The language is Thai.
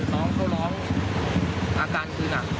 น้องเขาร้องอาการคือหนัก